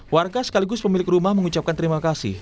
warga sekaligus pemilik rumah mengucapkan terima kasih